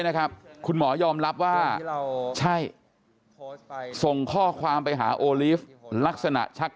นะครับคุณหมอยอมรับว่าใช่ส่งข้อความไปหาโอลีฟลักษณะชัก